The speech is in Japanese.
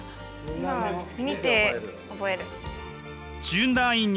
見て覚える。